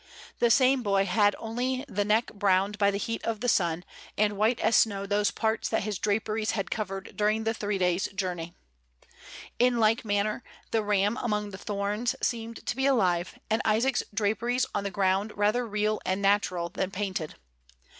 The same boy had only the neck browned by the heat of the sun, and white as snow those parts that his draperies had covered during the three days' journey. In like manner, the ram among the thorns seemed to be alive, and Isaac's draperies on the ground rather real and natural than painted.